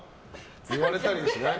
言われたりしない？